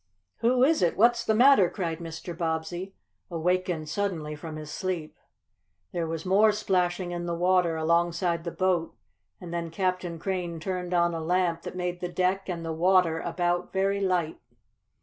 "Who is it? What's the matter?" cried Mr. Bobbsey, awakened suddenly from his sleep. There was more splashing in the water alongside the boat, and then Captain Crane turned on a lamp that made the deck and the water about very light.